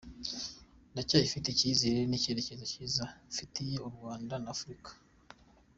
Ndacyafitiye icyizere n’icyerekezo cyiza mfitiye u Rwanda na Afurika.